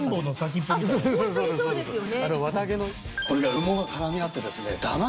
ホントにそうですよね。